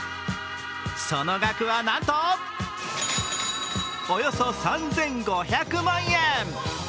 その額はなんと、およそ３５００万円。